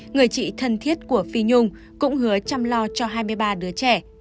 người chị thân thiết của phi nhung cũng hứa chăm lo cho hai mươi ba đứa trẻ